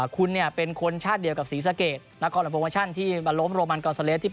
คุณเป็นคนชาติเดียวกับศรีสเกรท